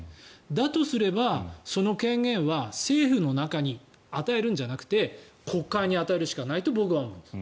だとすればその権限は政府の中に与えるんじゃなくて国会に与えるしかないと僕は思うんです。